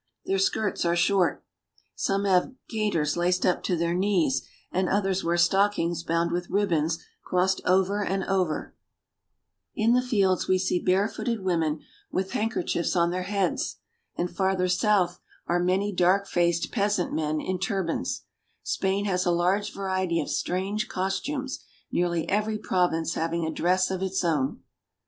Their skirts are short. Some have gaiters laced up to their knees, and others wear stockings bound with ribbons crossed over and over. In the fields we see barefooted women with handkerchiefs on their heads, and farther south ' We are delighted with the country people of Spain." RURAL SPAIN. 435 are many dark faced peasant men in turbans. Spain has a large variety of strange costumes, nearly every province having a dress of its own.